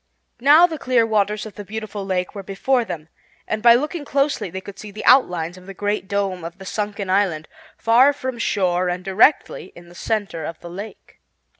Now the clear waters of the beautiful lake were before them and by looking closely they could see the outlines of the Great Dome of the sunken island, far from shore and directly in the center of the lake.